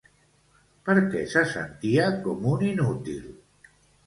Per què se sentia com un inútil?